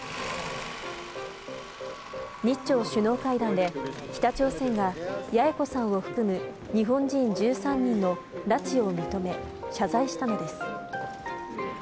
日朝首脳会談で北朝鮮が、八重子さんを含む日本人１３人の拉致を認め、謝罪したのです。